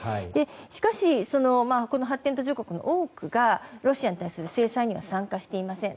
しかし、この発展途上国の多くがロシアに対する制裁に参加していません。